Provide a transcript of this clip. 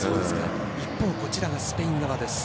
一方、こちらがスペイン側です。